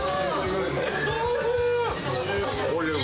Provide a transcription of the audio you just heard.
おいしい。